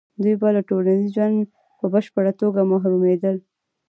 دوی به له ټولنیز ژونده په بشپړه توګه محرومېدل.